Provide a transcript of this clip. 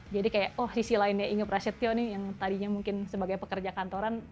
kayak oh sisi lainnya inge prasetyo nih yang tadinya mungkin sebagai pekerja kantoran